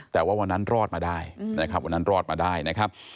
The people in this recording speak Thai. แต่ว่าวันนั้นรอดมาได้นะครับ